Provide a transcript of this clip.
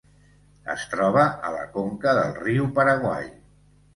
Es troba a la conca del riu Paraguai.